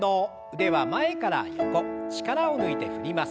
腕は前から横力を抜いて振ります。